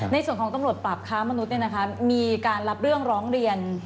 ในส่วนของตำรวจปราบค้ามนุษย์มีการรับเรื่องร้องเรียน